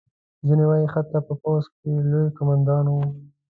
ځینې وایي حتی په پوځ کې لوی قوماندان وو.